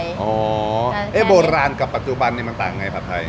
เฮปโบราปัจจุบันแล้วมันต่างไงภัทรไทย